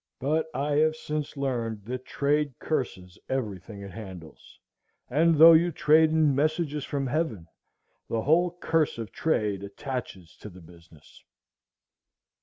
But I have since learned that trade curses everything it handles; and though you trade in messages from heaven, the whole curse of trade attaches to the business.